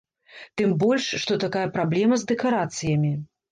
Тым больш, што такая праблема з дэкарацыямі.